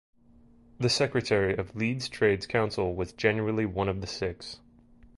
The secretary of Leeds Trades Council was generally one of the six.